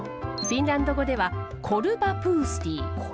フィンランド語ではコルヴァプースティ。